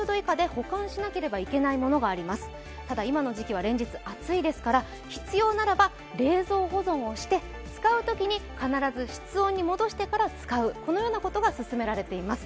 今の時期は連日暑いですから必要なら冷蔵保存をして、使うときに必ず室温に戻してから使う、このようなことが勧められています。